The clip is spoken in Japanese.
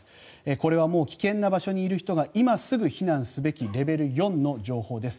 これはもう危険な場所にいる人が今すぐ避難すべきレベル４の情報です。